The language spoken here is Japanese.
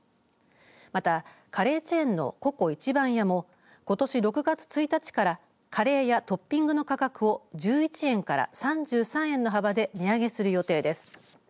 またカレー店のＣｏＣｏ壱番屋もことし６月１日からカレーやトッピングの価格を１１円から３３円の幅で値上げする予定です。